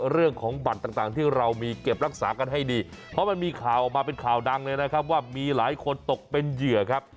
เรื่องของบัตรต่างที่เรามีเก็บรักษากันให้ดีเพราะมันมีข่าวออกมาเป็นข่าวดังเลยนะครับว่ามีหลายคนตกเป็นเหยื่อครับ